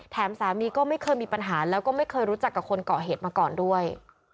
สามีก็ไม่เคยมีปัญหาแล้วก็ไม่เคยรู้จักกับคนเกาะเหตุมาก่อนด้วย